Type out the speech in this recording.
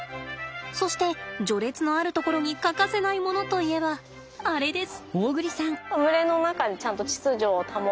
そして序列のあるところに欠かせないものといえばあれです。